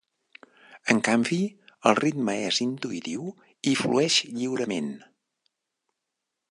En canvi, el ritme és intuïtiu i flueix lliurement.